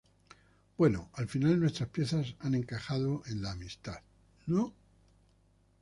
bueno, al final nuestras piezas han encajado en la amistad, ¿ no?